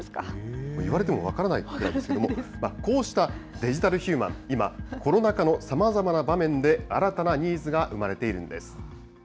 言われても分からないぐらいですけれども、こうしたデジタルヒューマン、今、コロナ禍のさまざまな場面で新たなニーズが生まれているんです。